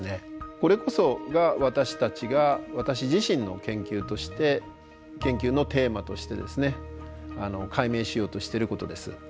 これこそが私たちが私自身の研究として研究のテーマとしてですね解明しようとしてることです。